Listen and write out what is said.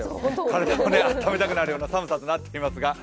体をあっためたくなるような寒さとなっています。